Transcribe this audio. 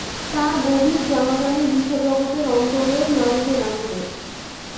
তার গভীর জানাজানি বিশ্বজগতের অন্তরের নাড়িতে নাড়িতে।